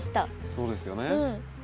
そうですよね。